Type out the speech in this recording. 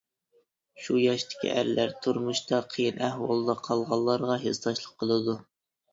شۇ ياشتىكى ئەرلەر تۇرمۇشتا قىيىن ئەھۋالدا قالغانلارغا ھېسداشلىق قىلىدۇ.